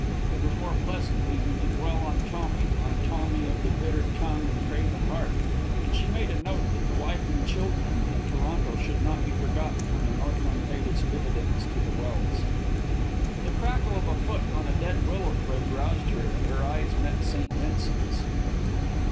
It was more pleasant, even, to dwell on Tommy, on Tommy of the bitter tongue and craven heart; and she made a note that the wife and children in Toronto should not be forgotten when the Northland paid its dividends to the Welse. The crackle of a foot on a dead willow twig roused her, and her eyes met St. Vincent's.